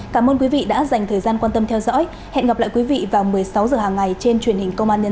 cảm ơn quý vị đã theo dõi